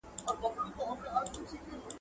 مُلا را ووزي مرد میدان سي !.